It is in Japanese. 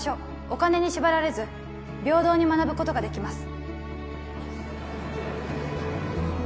お金に縛られず平等に学ぶことができます